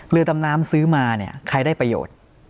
เรือดำน้ำซื้อมาเนี่ยใครได้ประโยชน์